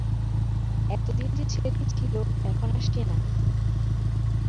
এত দিন যে ছেলেটি ছিল, এখন আর সে নেই।